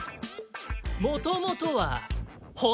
もともとは骨。